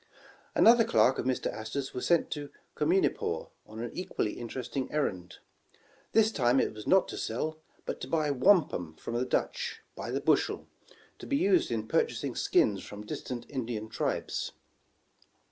Another clerk of Mr. Astor's was sent to Communi paw on an equally interesting errand. This time it was not to sell, but to buy wampum from the Dutch *'by the bushel," to be used in purchasing skins from distant Indian tribes.